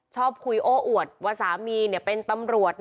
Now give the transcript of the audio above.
ชอบคุยโอ้อวดว่าสามีเป็นตำรวจ